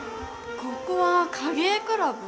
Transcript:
ここは影絵クラブ？